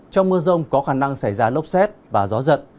trong mưa rông có khả năng xảy ra lốc xét và gió giật